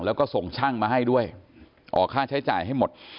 แล้วก็ส่งช่างมาให้ด้วยออกค่าใช้จ่ายให้หมด